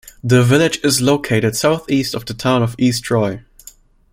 The village is located southeast of the Town of East Troy.